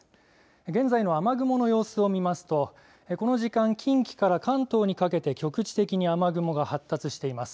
現在の雨雲の様子を見ますとこの時間、近畿から関東にかけて、局地的に雨雲が発達しています。